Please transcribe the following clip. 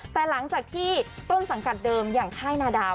แต่หลังจากที่ต้นสังกัดเดิมอย่างค่ายนาดาว